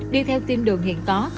đi theo tiêm đường hiện có